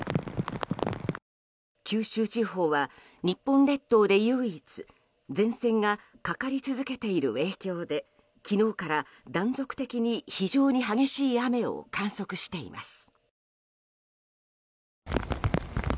九州地方は日本列島で唯一前線がかかり続けている影響で昨日から断続的に非常に激しい雨を観測しています。